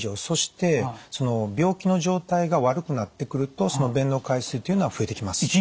そして病気の状態が悪くなってくるとその便の回数っていうのは増えてきます。